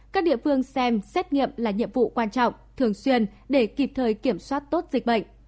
các địa phương xem xét nghiệm là nhiệm vụ quan trọng thường xuyên để kịp thời kiểm soát tốt dịch bệnh